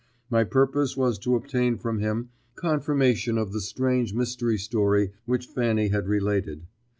My purpose was to obtain from him confirmation of the strange mysterious story which Fanny had related.